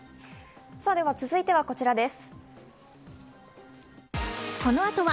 続いてはこちらです。